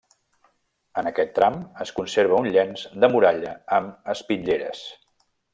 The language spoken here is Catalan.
En aquest tram es conserva un llenç de muralla amb espitlleres.